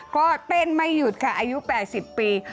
ก็เต้นไม่หยุดค่ะอายุ๘๐ปี